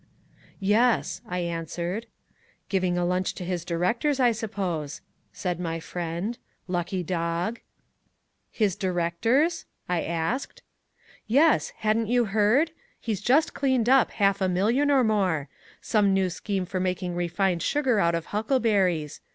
"Yes," I answered. "Giving a lunch to his directors, I suppose," said my friend; "lucky dog." "His directors?" I asked. "Yes, hadn't you heard? He's just cleaned up half a million or more, some new scheme for making refined sugar out of huckleberries.